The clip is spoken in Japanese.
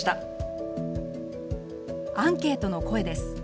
アンケートの声です。